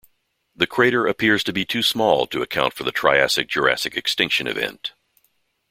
The crater appears to be too small to account for the Triassic-Jurassic extinction event.